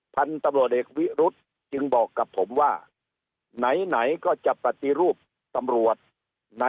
พันธุ์ตำรวจเอกวิรุธจึงบอกกับผมว่าไหนไหนก็จะปฏิรูปตำรวจ